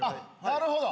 なるほど。